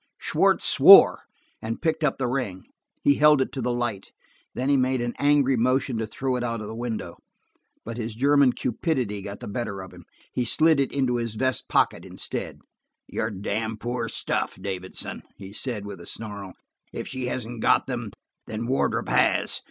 Schwartz swore, and picking up the ring, held it to the light. Then he made an angry motion to throw it out of the window, but his German cupidity got the better of him. He slid it into his vest pocket instead. "You're damned poor stuff, Davidson," he said, with a snarl. "If she hasn't got them, then Wardrop has.